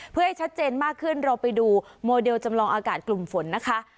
เพื่อให้ชัดเจนมากขึ้นเราไปดูโมเดลจำลองอากาศกลุ่มฝนนะคะ